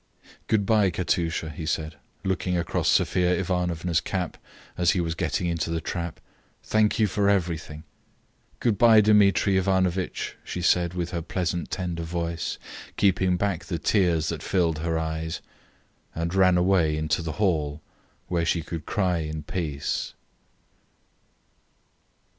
"Good bye, Katusha," he said, looking across Sophia Ivanovna's cap as he was getting into the trap. "Thank you for everything." "Good bye, Dmitri Ivanovitch," she said, with her pleasant, tender voice, keeping back the tears that filled her eyes and ran away into the hall, where she could cry in peace.